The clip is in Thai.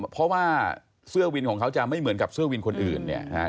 เพราะว่าเสื้อวินของเขาจะไม่เหมือนกับเสื้อวินคนอื่น